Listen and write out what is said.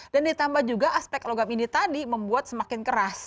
dan ditambah juga aspek logam ini tadi membuat semakin keras